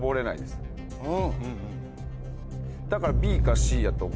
だから。